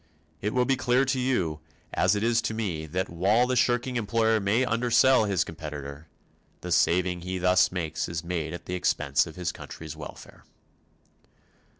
It will be clear to you, as it is to me, that while the shirking employer may undersell his competitor, the saving he thus makes is made at the expense of his country's welfare.